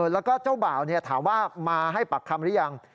แล้วก็เจ้าบ่าวถามว่ามาให้ปากคำหรือยัง